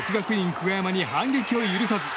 久我山に反撃を許さず。